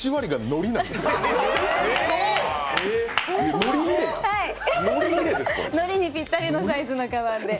のりにぴったりのサイズのカバンで。